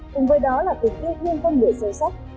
cùng với đó là tình tiết nhưng không người sâu sắc